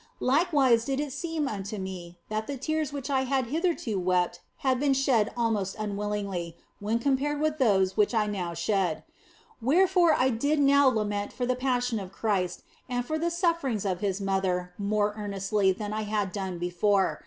Likewise did it seem unto me that the tears which I had hitherto wept had been shed almost unwillingly when compared with those which I now shed. Wherefore I did now lament for the Passion of Christ and for the sufferings of His Mother more earnestly than I had done before.